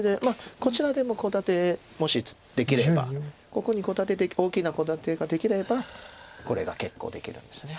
こちらでもコウ立てもしできればここにコウ立て大きなコウ立てができればこれが決行できるんです。